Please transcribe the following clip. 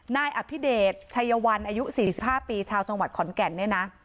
นายอภิเดชชัยวันอายุ๔๕ปีชาวจังหวัดขอนแก่นเนี่ยนะ